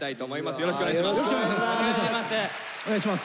よろしくお願いします。